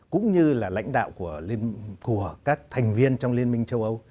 cũng như là lãnh đạo của các thành viên trong liên minh châu âu